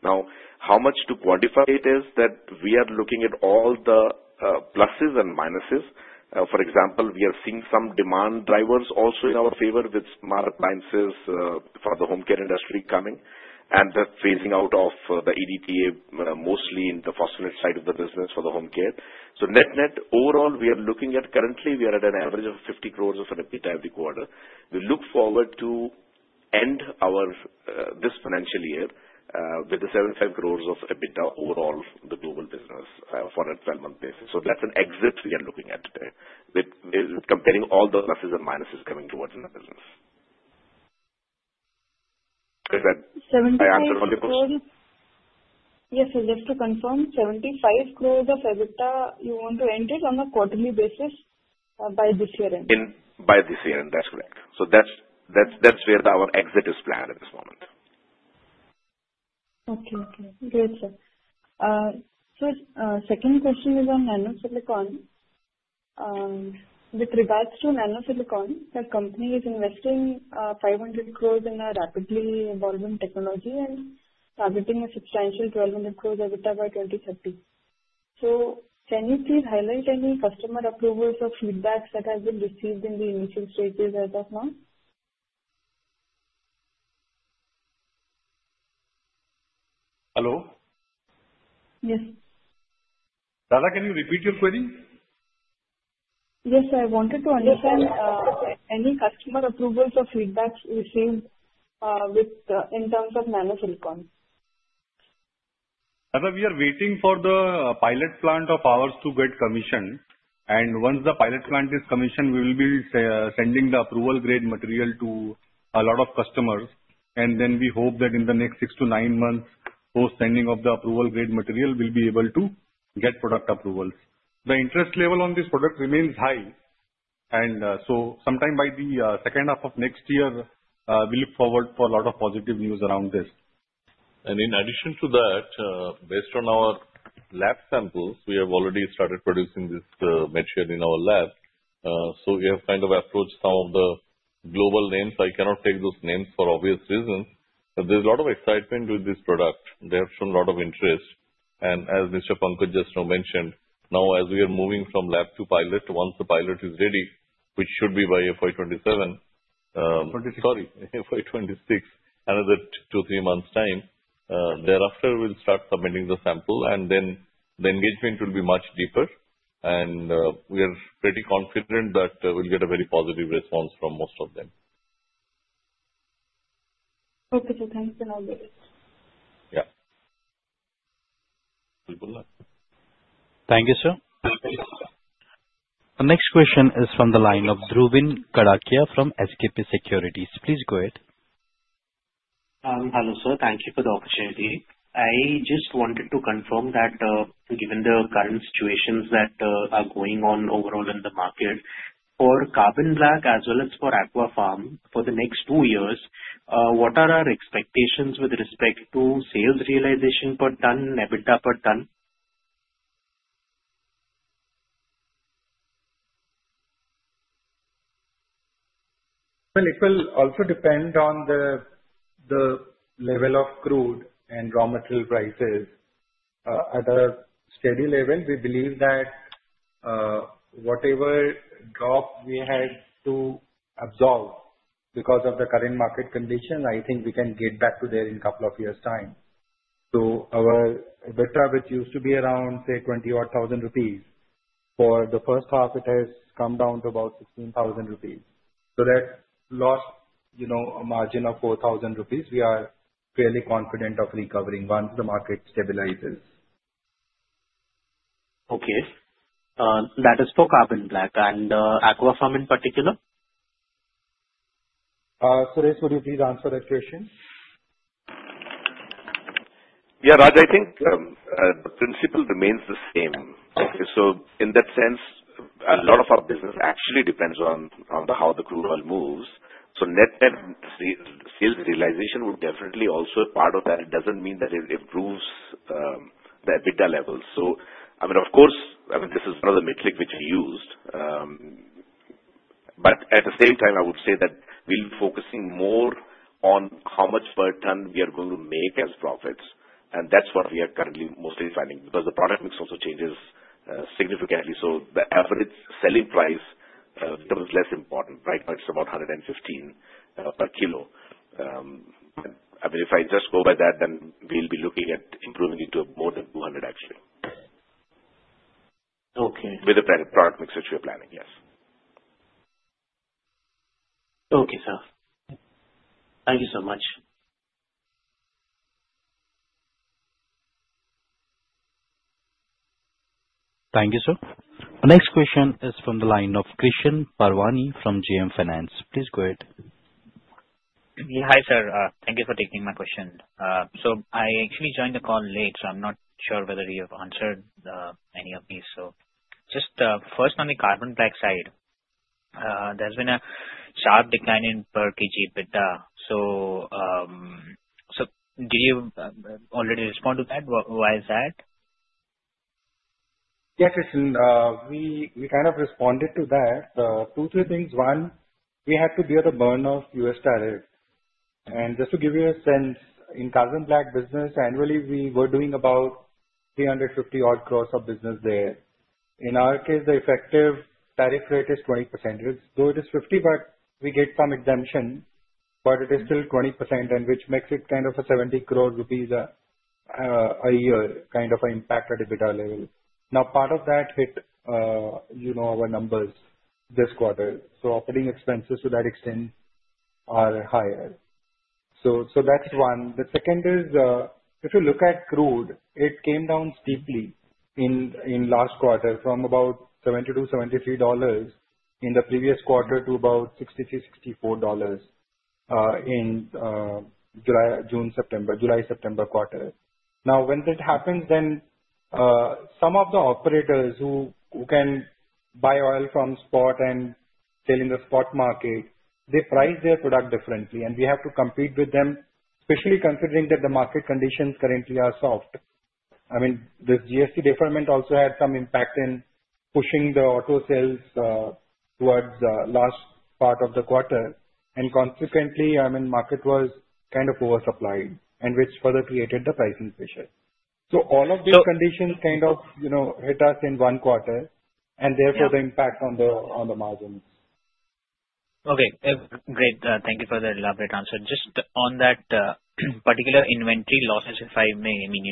Now, how much to quantify it is that we are looking at all the pluses and minuses. For example, we are seeing some demand drivers also in our favor with smart appliances for the Home Care industry coming and the phasing out of the EDTA, mostly in the phosphonate side of the business for the Home Care. So net-net, overall, we are looking at currently, we are at an average of 50 crores of EBITDA every quarter. We look forward to end this financial year with the 75 crores of EBITDA overall for the global business on a 12-month basis. So that's an exit we are looking at today, comparing all the pluses and minuses coming towards the business. I answered all the questions? Yes, I just to confirm, 75 crores of EBITDA, you want to end it on a quarterly basis by this year end? By this year end, that's correct. So that's where our exit is planned at this moment. Okay. Okay. Great, sir. So second question is on nano-silicon. With regards to nano-silicon, the company is investing 500 crores in a rapidly evolving technology and targeting a substantial 1,200 crores EBITDA by 2030. So can you please highlight any customer approvals or feedbacks that have been received in the initial stages as of now? Hello? Yes. Radha, can you repeat your query? Yes, I wanted to understand any customer approvals or feedbacks received in terms of nano-silicon? Radha, we are waiting for the pilot plant of ours to get commissioned. And once the pilot plant is commissioned, we will be sending the approval-grade material to a lot of customers. And then we hope that in the next six to nine months, post-sending of the approval-grade material, we'll be able to get product approvals. The interest level on this product remains high. And so sometime by the second half of next year, we look forward for a lot of positive news around this. And in addition to that, based on our lab samples, we have already started producing this material in our lab. So we have kind of approached some of the global names. I cannot name those names for obvious reasons. But there's a lot of excitement with this product. They have shown a lot of interest. And as Mr. Pankaj just mentioned, now as we are moving from lab to pilot, once the pilot is ready, which should be by FY2027, sorry, FY2026, another two, three months' time, thereafter we'll start submitting the sample, and then the engagement will be much deeper. And we are pretty confident that we'll get a very positive response from most of them. Okay. So thanks for all this. Yeah. Thank you, sir. The next question is from the line of Dhruvin Kadakia from SKP Securities. Please go ahead. Hello, sir. Thank you for the opportunity. I just wanted to confirm that given the current situations that are going on overall in the market for Carbon Black as well as for Aquapharm for the next two years, what are our expectations with respect to sales realization per ton and EBITDA per ton? Well, it will also depend on the level of crude and raw material prices. At a steady level, we believe that whatever drop we had to absorb because of the current market conditions, I think we can get back to there in a couple of years' time. So our EBITDA, which used to be around, say, 20,000 rupees, for the first half, it has come down to about 16,000 rupees. So that lost a margin of 4,000 rupees. We are fairly confident of recovering once the market stabilizes. Okay. That is for Carbon Black. And Aquapharm in particular? Suresh, would you please answer that question? Yeah, Raj, I think the principle remains the same. So in that sense, a lot of our business actually depends on how the crude oil moves. So net-net sales realization would definitely also be part of that. It doesn't mean that it improves the EBITDA levels. So I mean, of course, I mean, this is one of the metrics which we used. But at the same time, I would say that we'll be focusing more on how much per ton we are going to make as profits. And that's what we are currently mostly finding because the product mix also changes significantly. So the average selling price becomes less important. Right now, it's about 115 per kilo. I mean, if I just go by that, then we'll be looking at improving it to more than 200, actually, with the product mix which we are planning, yes. Okay, sir. Thank you so much. Thank you, sir. The next question is from the line of Krishan Parwani from JM Finance. Please go ahead. Hi, sir. Thank you for taking my question. So I actually joined the call late, so I'm not sure whether you've answered any of these. So just first, on the Carbon Black side, there's been a sharp decline in per-kg EBITDA. So did you already respond to that? Why is that? Yeah, Krishan, we kind of responded to that. Two, three things. One, we had to deal with the burden of US tariffs. And just to give you a sense, in Carbon Black business, annually, we were doing about 350-odd crores of business there. In our case, the effective tariff rate is 20%. Though it is 50%, but we get some exemption, but it is still 20%, which makes it kind of a 70 crore rupees a year kind of an impact at EBITDA level. Now, part of that hit our numbers this quarter. So operating expenses to that extent are higher. So that's one. The second is, if you look at crude, it came down steeply in last quarter from about $72 to 73 in the previous quarter to about $63 to 64 in June, September, July-September quarter. Now, when that happens, then some of the operators who can buy oil from spot and sell in the spot market, they price their product differently. And we have to compete with them, especially considering that the market conditions currently are soft. I mean, this GST deferment also had some impact in pushing the auto sales towards the last part of the quarter. And consequently, I mean, the market was kind of oversupplied, which further created the pricing pressure. So all of these conditions kind of hit us in one quarter, and therefore, the impact on the margins. Okay. Great. Thank you for the elaborate answer. Just on that particular inventory losses, if I may, I mean,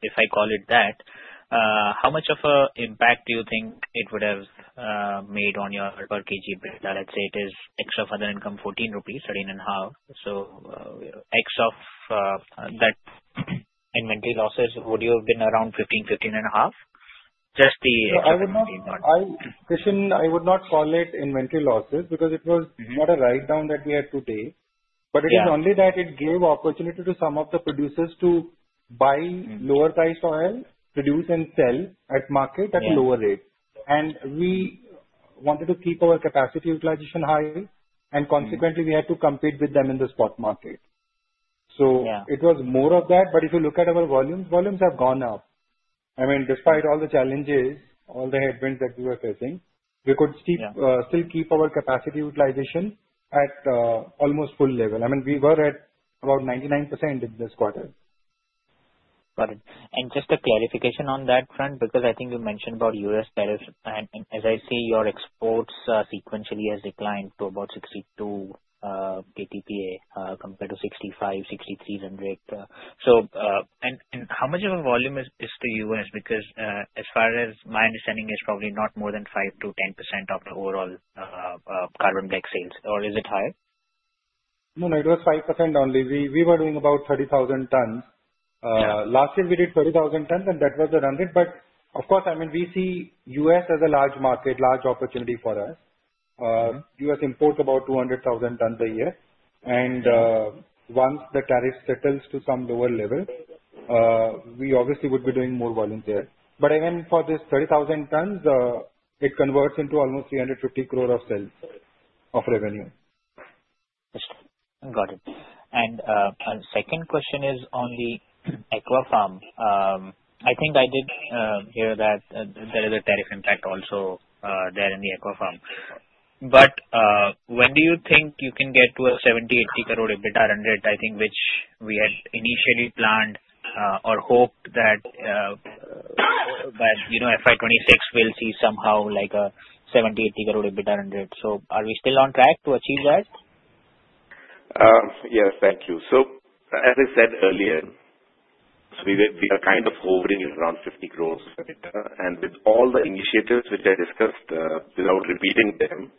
if I call it that, how much of an impact do you think it would have made on your per kg EBITDA? Let's say it is X of other income, INR 14, 13.5. So X of that inventory losses, would you have been around 15, 15.5? Just the expectation not. I would not call it inventory losses because it was not a write-down that we had today. But it is only that it gave opportunity to some of the producers to buy lower-priced oil, produce, and sell at market at a lower rate. And we wanted to keep our capacity utilization high. And consequently, we had to compete with them in the spot market. So it was more of that. But if you look at our volumes, volumes have gone up. I mean, despite all the challenges, all the headwinds that we were facing, we could still keep our capacity utilization at almost full level. I mean, we were at about 99% in this quarter. Got it. And just a clarification on that front, because I think you mentioned about US tariffs. And as I see, your exports sequentially have declined to about 62 KTPA compared to 65, 63, KTPA. And how much of a volume is the U.S.? Because as far as my understanding, it's probably not more than 5% to 10% of the overall Carbon Black sales. Or is it higher? No, no. It was 5% only. We were doing about 30,000 tons. Last year, we did 30,000 tons, and that was around it. But of course, I mean, we see US as a large market, large opportunity for us. US imports about 200,000 tons a year, and once the tariff settles to some lower level, we obviously would be doing more volume there. But again, for this 30,000 tons, it converts into almost 350 crore of sales of revenue. Got it, and second question is on the Aquapharm. I think I did hear that there is a tariff impact also there in the Aquapharm. But when do you think you can get to a 70-80 crore EBITDA run rate, I think, which we had initially planned or hoped that by FY2026, we'll see somehow like a 70-80 crore EBITDA run rate? So are we still on track to achieve that? Yes, thank you. So as I said earlier, we are kind of hovering around 50 crores of EBITDA. And with all the initiatives which I discussed without repeating them,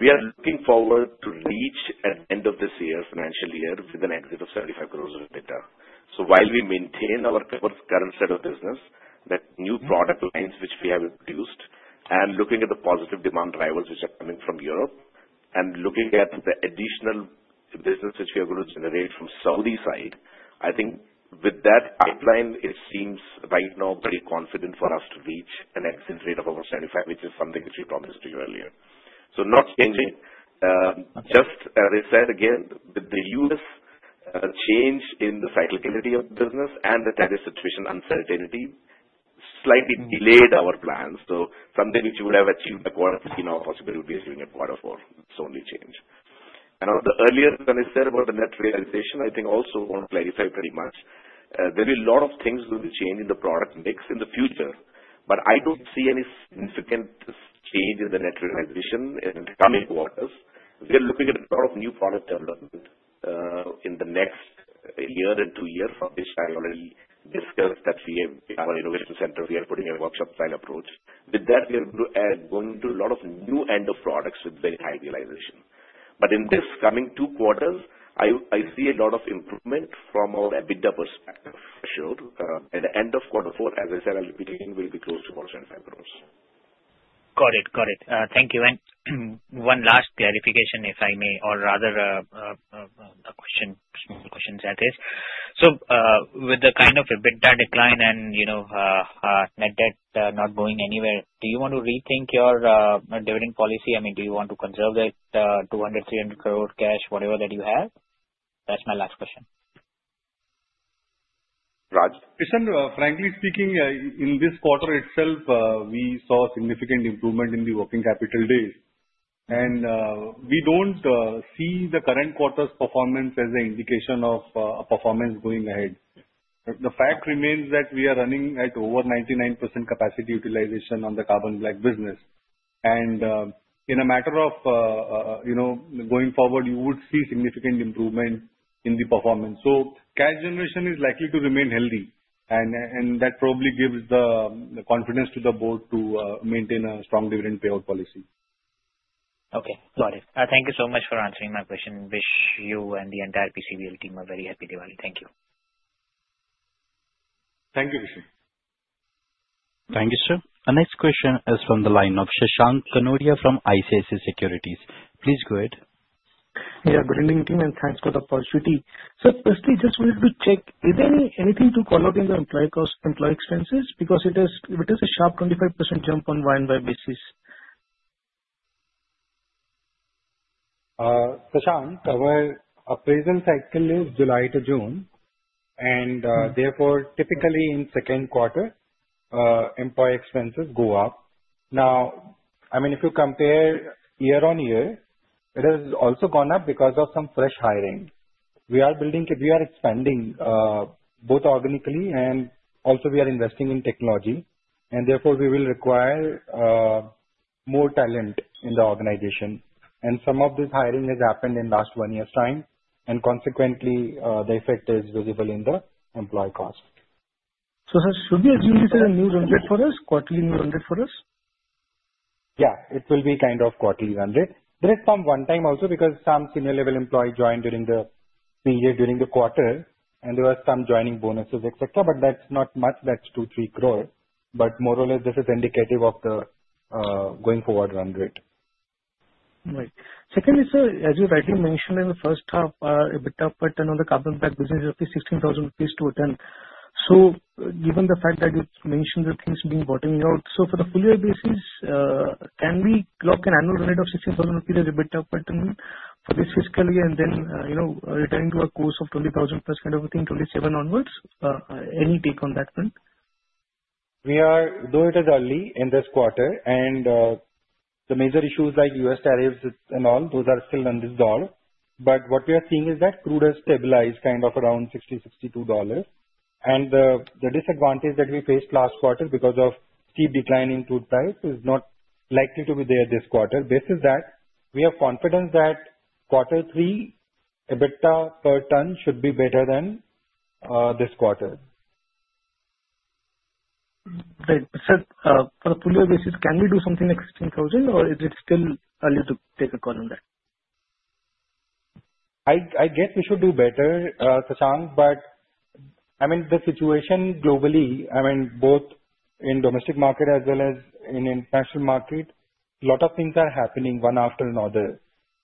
we are looking forward to reach at the end of this year, financial year, with an exit of 75 crores of EBITDA. So while we maintain our current set of business, that new product lines which we have introduced, and looking at the positive demand drivers which are coming from Europe, and looking at the additional business which we are going to generate from Saudi side, I think with that pipeline, it seems right now very confident for us to reach an exit rate of about 75 crores, which is something which we promised to you earlier. So not changing. Just as I said again, with the US change in the cyclicality of the business and the tariff situation uncertainty, slightly delayed our plans. So something which we would have achieved by Q3 in our possibility of doing a Q4 it's the only change. And on the earlier one I said about the net realization, I think also want to clarify pretty much. There will be a lot of things that will change in the product mix in the future. But I don't see any significant change in the net realization in the coming quarters. We are looking at a lot of new product development in the next year and two years, which I already discussed that we have our innovation center. We are putting a workshop-style approach. With that, we are going to add a lot of new end-use products with very high realization. But in this coming Q2, I see a lot of improvement from our EBITDA perspective. For sure. At the end of Q4, as I said, I'll be repeating, we'll be close to 75 crores. Got it. Got it. Thank you. And one last clarification, if I may, or rather a question, small questions, I guess. So with the kind of EBITDA decline and net debt not going anywhere, do you want to rethink your dividend policy? I mean, do you want to conserve that 200-300 crore cash, whatever that you have? That's my last question. Raj. Krishan, frankly speaking, in this quarter itself, we saw significant improvement in the working capital days. And we don't see the current quarter's performance as an indication of performance going ahead. The fact remains that we are running at over 99% capacity utilization on the Carbon Black business. And in a matter of going forward, you would see significant improvement in the performance. So cash generation is likely to remain healthy. And that probably gives the confidence to the board to maintain a strong dividend payout policy. Okay. Got it. Thank you so much for answering my question. Wish you and the entire PCBL team a very happy Diwali. Thank you. Thank you, Krishan. Thank you, sir. The next question is from the line of Shashank Kanodia from ICICI Securities. Please go ahead. Yeah. Good evening, team, and thanks for the opportunity. Sir, firstly, just wanted to check, is there anything to call out in the employee costs, employee expenses? Because it is a sharp 25% jump on Y-o-Y basis. Shashank, our appraisal cycle is July to June, and therefore, typically in Q2, employee expenses go up. Now, I mean, if you compare year-on-year, it has also gone up because of some fresh hiring. We are expanding both organically and also we are investing in technology, and therefore, we will require more talent in the organization, and some of this hiring has happened in the last one year's time. And consequently, the effect is visible in the employee cost. So sir, should we assume this is a new run rate for us, quarterly new run rate for us? Yeah. It will be kind of quarterly run rate. There is some one-time also because some senior-level employee joined during the quarter. And there were some joining bonuses, etc. But that's not much. That's 2 to 3 crore. But more or less, this is indicative of the going forward run rate. Right. Secondly, sir, as you rightly mentioned, in the first half, EBITDA per ton on the Carbon Black business is roughly 16,000 rupees to a ton. So given the fact that you mentioned that things have been bottoming out, so for the full-year basis, can we lock an annual rate of 16,000 rupees as EBITDA per ton for this fiscal year and then returning to a course of 20,000 plus kind of within 2027 onwards? Any take on that front? Though it is early in this quarter, and the major issues like US tariffs and all, those are still unresolved. But what we are seeing is that crude has stabilized kind of around $60 to 62. And the disadvantage that we faced last quarter because of steep decline in crude price is not likely to be there this quarter. Based on that, we have confidence that Q3, EBITDA per ton should be better than this quarter. Right. Sir, for the full-year basis, can we do something like 16,000, or is it still early to take a call on that? I guess we should do better, Shashank. But I mean, the situation globally, I mean, both in the domestic market as well as in the international market, a lot of things are happening one after another.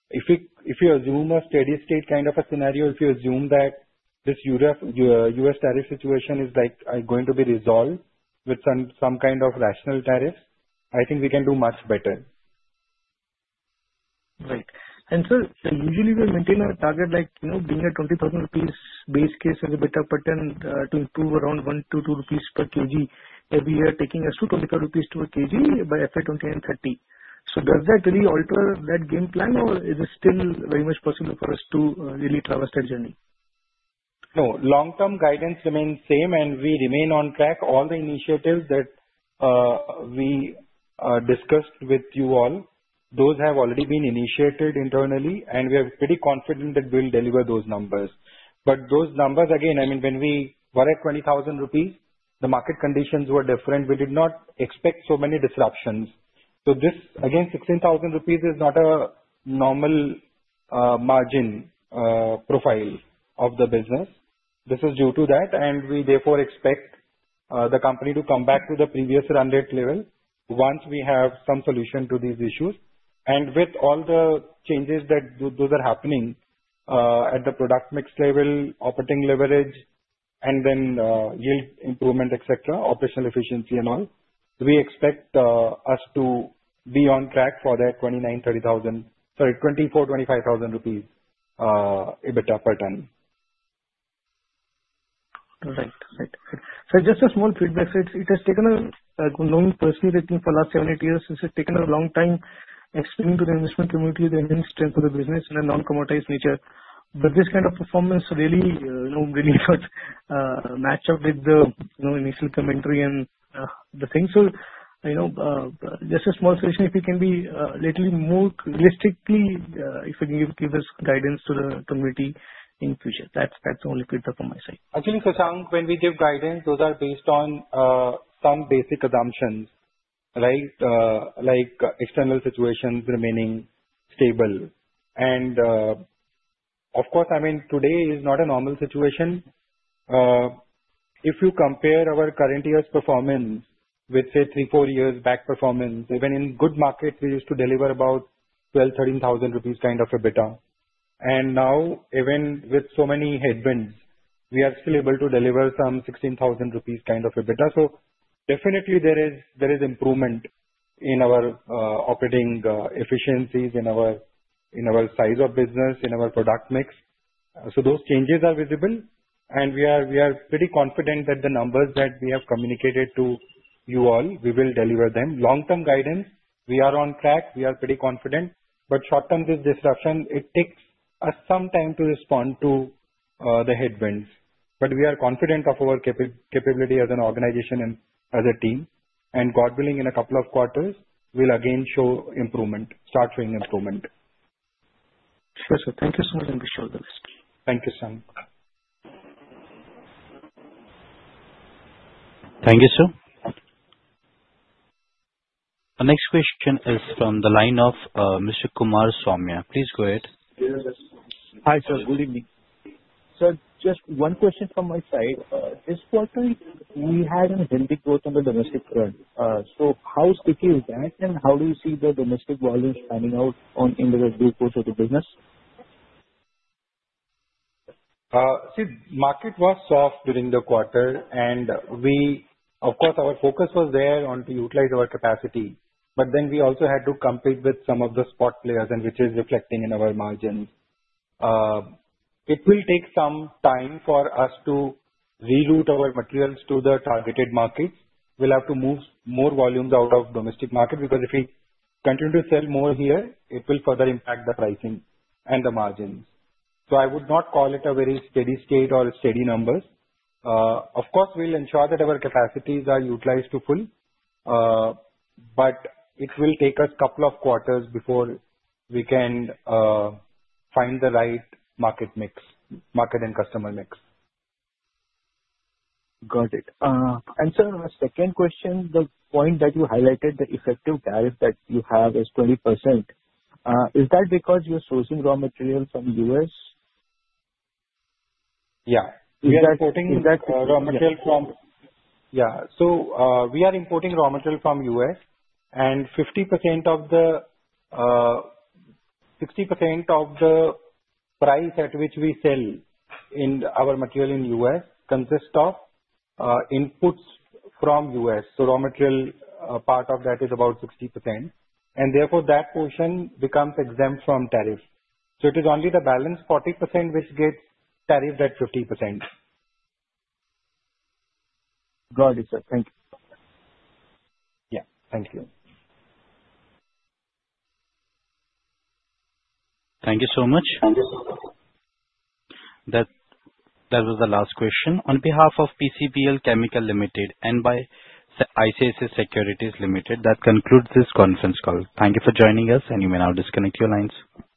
If you assume a steady state kind of a scenario, if you assume that this US tariff situation is going to be resolved with some kind of rational tariffs, I think we can do much better. Right. And sir, usually, we maintain our target like being at 20,000 rupees base case as EBITDA per ton to improve around 1 to 2 per kg every year, taking us to 25 rupees per kg by FY 2029 and 2030. So does that really alter that game plan, or is it still very much possible for us to really traverse that journey? No. Long-term guidance remains same, and we remain on track. All the initiatives that we discussed with you all, those have already been initiated internally. And we are pretty confident that we'll deliver those numbers. But those numbers, again, I mean, when we were at 20,000 rupees, the market conditions were different. We did not expect so many disruptions, so this, again, 16,000 rupees is not a normal margin profile of the business. This is due to that, and we, therefore, expect the company to come back to the previous run rate level once we have some solution to these issues, and with all the changes that those are happening at the product mix level, operating leverage, and then yield improvement, etc., operational efficiency and all, we expect us to be on track for that 29,000, 30,000, sorry, 24,000 rupees, 25,000 rupees EBITDA per ton. Right. Right. Sir, just a small feedback. It has taken a. I'm knowing personally for the last seven, eight years, it has taken a long time explaining to the investment community the strength of the business in a non-commoditized nature, but this kind of performance really didn't match up with the initial commentary and the thing. So just a small suggestion, if we can be a little more realistic, if we can give this guidance to the community in the future. That's the only feedback on my side. Actually, Shashank, when we give guidance, those are based on some basic assumptions, right? Like external situations remaining stable. And of course, I mean, today is not a normal situation. If you compare our current year's performance with, say, three, four years' back performance, even in good markets, we used to deliver about 12,000 rupees, 13,000 rupees kind of EBITDA. And now, even with so many headwinds, we are still able to deliver some 16,000 rupees kind of EBITDA. So definitely, there is improvement in our operating efficiencies, in our size of business, in our product mix. So those changes are visible. And we are pretty confident that the numbers that we have communicated to you all, we will deliver them. Long-term guidance, we are on track. We are pretty confident. But short-term disruption, it takes us some time to respond to the headwinds. But we are confident of our capability as an organization and as a team. And God willing, in a couple of quarters, we'll again show improvement, start showing improvement. Sure, sir. Thank you so much, and be sure of the rest. Thank you, Shashank. Thank you, sir. The next question is from the line of Mr. Kumar Saumya. Please go ahead. Hi, sir. Good evening. Sir, just one question from my side. This quarter, we had a healthy growth on the domestic front. So how sticky is that? And how do you see the domestic volume standing out on the end-of-year course of the business? See, the market was soft during the quarter. And of course, our focus was there on to utilize our capacity. But then we also had to compete with some of the spot players, which is reflecting in our margins. It will take some time for us to reroute our materials to the targeted markets. We'll have to move more volumes out of the domestic market because if we continue to sell more here, it will further impact the pricing and the margins. So I would not call it a very steady state or steady numbers. Of course, we'll ensure that our capacities are utilized to full. But it will take us a couple of quarters before we can find the right market mix, market and customer mix. Got it. And sir, my second question, the point that you highlighted, the effective tariff that you have is 20%. Is that because you're sourcing raw material from the US? Yeah. We are importing raw material from. Yeah, so we are importing raw material from the US and 60% of the price at which we sell our material in the US consists of inputs from the US. So the raw material part of that is about 60%. And therefore, that portion becomes exempt from tariff. So it is only the balance 40% which gets tariffed at 50%. Got it, sir. Thank you. Yeah. Thank you. Thank you so much. That was the last question. On behalf of PCBL Limited and by ICICI Securities Limited, that concludes this conference call. Thank you for joining us, and you may now disconnect your lines. Thank you.